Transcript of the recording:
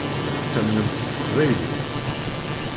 Tettamnemt s teqbaylit.